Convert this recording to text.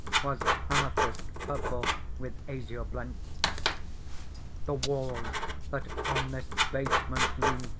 Was amethyst purple with azure blent. The walls, that on this basement leant.